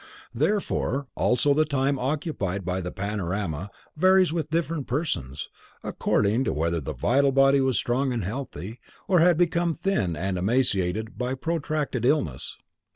Therefore also the time occupied by the panorama varies with different persons, according to whether the vital body was strong and healthy, or had become thin and emaciated by protracted illness.